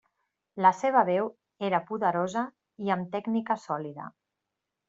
La seva veu era poderosa i amb tècnica sòlida.